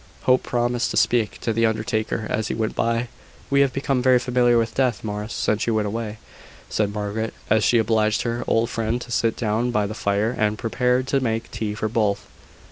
Hope promised to speak to the undertaker as he went by. "We have become very familiar with death, Morris, since you went away," said Margaret, as she obliged her old friend to sit down by the fire, and prepared to make tea for both.